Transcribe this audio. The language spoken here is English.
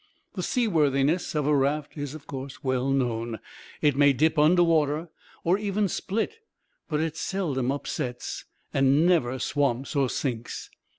The seaworthiness of a raft is, of course, well known. It may dip under water, or even split, but it seldom upsets and never swamps or sinks.